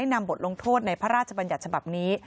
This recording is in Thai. นำบทลงโทษในพระราชบัญญัติฉบับนี้